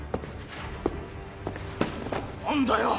何だよ？